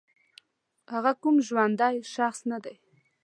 هغه کوم ژوندی شخص نه دی